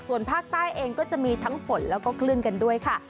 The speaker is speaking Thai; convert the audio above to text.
ส่วนภาคใต้เองก็จะมีทั้งฝนแล้วก็คลื่นกันด้วยค่ะ